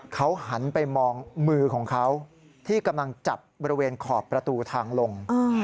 เขาหันไปมองมือของเขาที่กำลังจับบริเวณขอบประตูทางลง